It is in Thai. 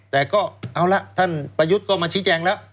แต่ก็เอาละท่านประยุทธ์ก็มาชี้แจงแล้ว